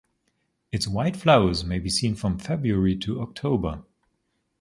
Its white flowers may be seen from February to October.